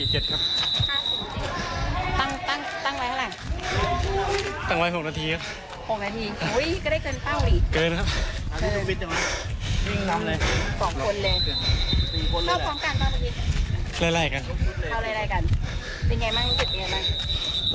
เกิดผ่านหมดตั้งแต่เช้าจนถึงตั้ง๕บาทต่างแค่